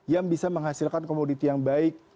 yang bisa menghasilkan komoditi yang baik